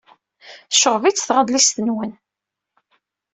Tecɣeb-itt tɣellist-nwen.